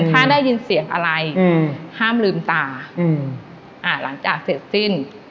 ถ้าได้ยินเสียงอะไรอืมห้ามลืมตาหลังจากเสร็จสิ้น